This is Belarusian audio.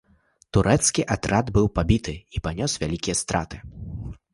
Турэцкі атрад быў пабіты і панёс вялікія страты.